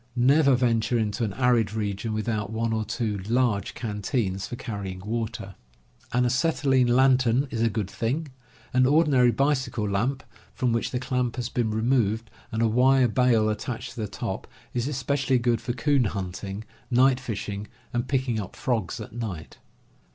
Never venture into an arid region without one or two large canteens for carrying water. An acetylene lantern is a good thing. An ordinary bicycle lamp, from which the clamp has been removed, and a wire bail attached to the top, is especially good for coon hunting, night fishing and picking up frogs at night.